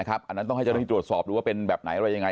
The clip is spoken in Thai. อันนั้นต้องให้เจ้าหน้าที่ตรวจสอบดูว่าเป็นแบบไหนอะไรยังไง